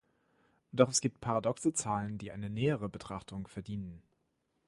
Doch es gibt paradoxe Zahlen, die eine nähere Betrachtung verdienen.